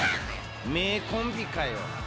めいコンビかよ。